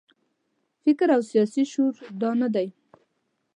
فکر او سیاسي شعور دا نه دی.